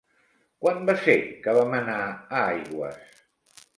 Quan va ser que vam anar a Aigües?